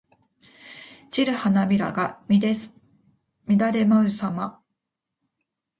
散る花びらが乱れ舞うさま。